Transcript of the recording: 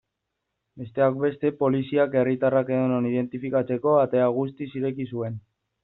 Besteak beste, poliziak herritarrak edonon identifikatzeko atea guztiz ireki zuen.